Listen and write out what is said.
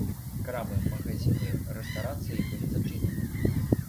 Крамы, магазіны, рэстарацыі былі зачынены.